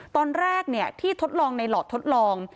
ตอนแรกที่ทดลองในหลอดทดลอง